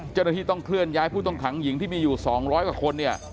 เจ้าหน้าที่ต้องเคลื่อนย้ายผู้ต้องขังหญิงที่มีอยู่๒๐๐กว่าคนเนี่ย